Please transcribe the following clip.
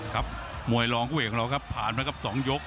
ครับมวยลองเว่งเราก็ผ่านมาครับ๒ยก